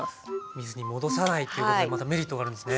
水に戻さないっていうことでまたメリットがあるんですね。